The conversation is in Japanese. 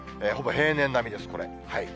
ほぼ平年並みです、これ。